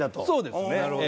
そうですね。